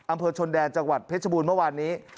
อำเภอชนแดนจังหวัดเพชรบูรณ์เมื่อวานนี้